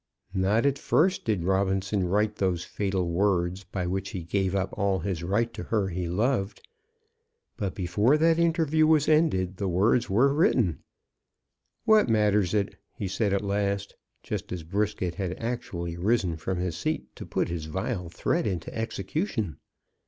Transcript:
Not at first did Robinson write those fatal words by which he gave up all his right to her he loved; but before that interview was ended the words were written. "What matters it?" he said, at last, just as Brisket had actually risen from his seat to put his vile threat into execution.